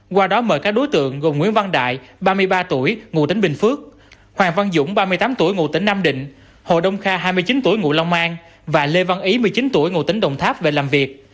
qua đó mời các đối tượng gồm nguyễn văn đại ba mươi ba tuổi ngụ tỉnh bình phước hoàng văn dũng ba mươi tám tuổi ngụ tỉnh nam định hồ đông kha hai mươi chín tuổi ngụ long an và lê văn ý một mươi chín tuổi ngụ tỉnh đồng tháp về làm việc